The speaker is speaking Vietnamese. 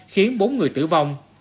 khiến bốn người tử vong